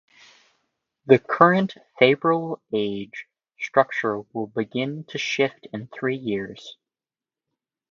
The current favorable age structure will begin to shift in three years.